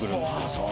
そう。